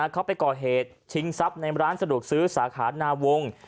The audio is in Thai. เขาไปก่อเหตุชิงทรัพย์ในร้านสะดวกซื้อสาขานาวงศ์